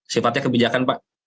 sifatnya kebijakan pak